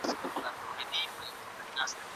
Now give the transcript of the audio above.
ایا په افغانستان کي د طب پوهنځي لوستل ګران دي؟